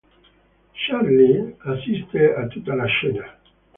Charlie assiste a tutta la scena.